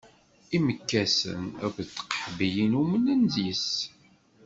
Imekkasen akked tqeḥbiyin umnen yes-s.